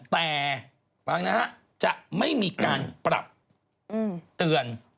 แต่ฟังนะฮะจะไม่มีการปรับเตือน